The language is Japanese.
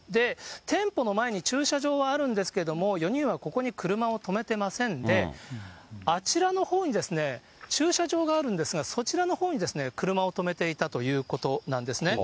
店舗の前に駐車場はあるんですけれども、４人はここに車を止めてませんで、あちらのほうに駐車場があるんですが、そちらのほうに車を止めていたということなんですね。